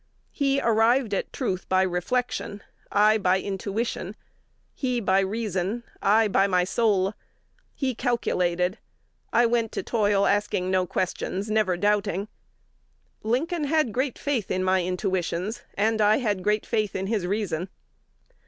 He arrived at truths by reflection; I, by intuition; he, by reason; I, by my soul. He calculated; I went to toil asking no questions, never doubting. Lincoln had great faith in my intuitions, and I had great faith in his reason."